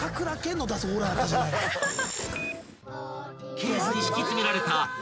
［ケースに敷き詰められた］何？